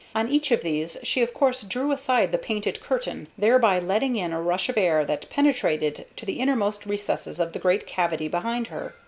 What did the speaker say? On each of these she of course drew aside the painted curtain, thereby letting in a rush of air that penetrated to the innermost recesses of the great cavity behind her.